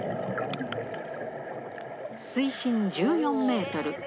水深１４メートル。